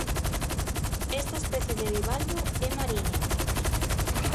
Esta especie de bivalvo é mariña.